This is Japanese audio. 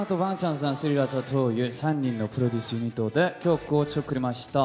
３ＲＡＣＨＡという３人のプロデュースユニットで曲を作りました。